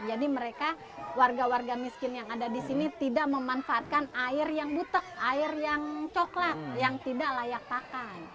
jadi mereka warga warga miskin yang ada di sini tidak memanfaatkan air yang butuh air yang coklat yang tidak layak pakan